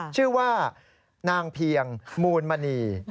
ชื่อว่านางเพียงมูลมณี